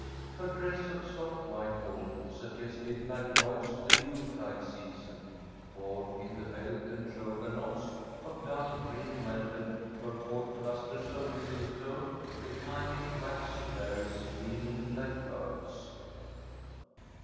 Her dress of soft white wool suggested, like Lloyd's, the Yule tide season, for in the belt and shoulder knots of dull green velvet were caught clusters of mistletoe, the tiny waxen berries gleaming like pearls.